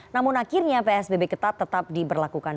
namun akhirnya psbb ketat tetap diberlakukan